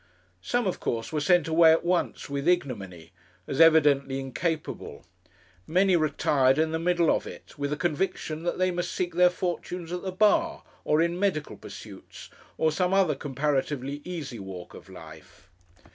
Some, of course, were sent away at once with ignominy, as evidently incapable. Many retired in the middle of it with a conviction that they must seek their fortunes at the bar, or in medical pursuits, or some other comparatively easy walk of life.